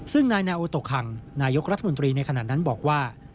ซึ่งนายนาโอโตคังนายกรัฐมนตรีในขณะนั้นบอกว่า